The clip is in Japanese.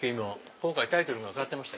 今回タイトルが変わってました。